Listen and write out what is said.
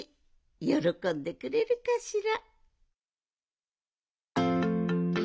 よろこんでくれるかしら。